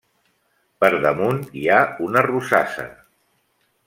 Per damunt hi ha una rosassa.